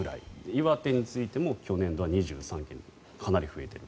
岩手についても去年度は２３件でかなり増えている。